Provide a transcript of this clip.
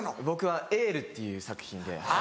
僕は『エール』っていう作品で。